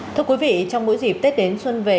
thưa quý vị trong mỗi dịp tết đến xuân về